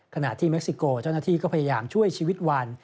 ขณะที่เม็กซิโกเจ้าหน้าที่ก็พยายามช่วยชีวิตวัน